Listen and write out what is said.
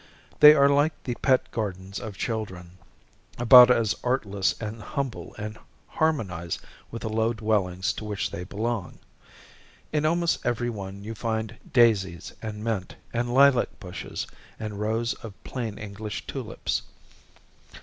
They are like the pet gardens of children, about as artless and humble, and harmonize with the low dwellings to which they belong. In almost every one you find daisies, and mint, and lilac bushes, and rows of plain English tulips.